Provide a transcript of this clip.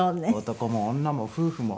男も女も夫婦も。